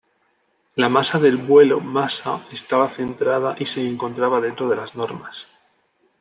La masa del vuelo masa estaba centrada y se encontraba dentro de las normas.